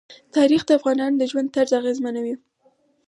تاریخ د افغانانو د ژوند طرز اغېزمنوي.